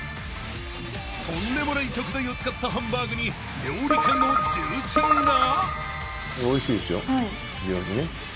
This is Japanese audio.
［とんでもない食材を使ったハンバーグに料理界の重鎮が］